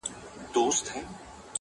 د سپوږمۍ سره یې پټ د میني راز دی,